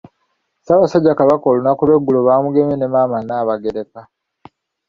Ssaabasajja Kabaka olunaku lw'eggulo baamugemye ne maama Nnaabagereka.